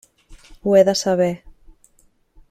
Ho he de saber.